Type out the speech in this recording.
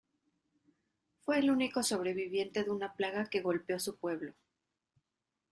Fue el único sobreviviente de una plaga que golpeó su pueblo.